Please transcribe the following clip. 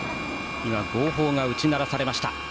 今、号砲が打ち鳴らされました。